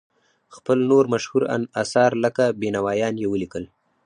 خپل نور مشهور اثار لکه بینوایان یې ولیکل.